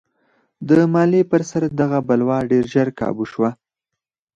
د مالیې پر سر دغه بلوا ډېر ژر کابو شوه.